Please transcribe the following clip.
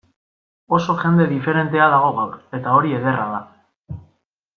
Oso jende diferentea dago gaur, eta hori ederra da.